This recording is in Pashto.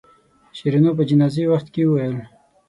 شیرینو په جنازې وخت کې وویل.